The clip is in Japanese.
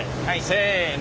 せの。